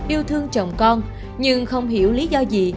yêu thương chồng con nhưng không hiểu lý do gì